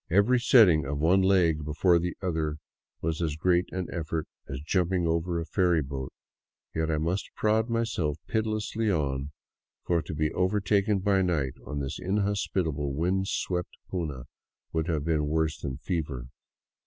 Every setting of one leg before the other was as great an effort as jumping over a ferry boat, yet I must prod myself pitilessly on, for to be over taken by night on this inhospitable, wind swept puna would have been worse than fever.